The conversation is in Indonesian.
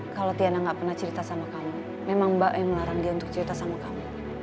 kalau tiana gak pernah cerita sama kamu memang mbak yang melarang dia untuk cerita sama kamu